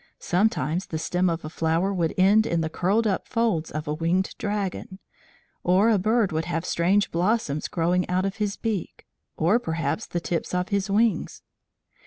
Sometimes the stem of a flower would end in the curled up folds of a winged dragon, or a bird would have strange blossoms growing out of his beak, or perhaps the tips of his wings.